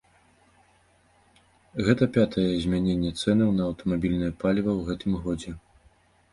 Гэта пятае змяненне цэнаў на аўтамабільнае паліва ў гэтым годзе.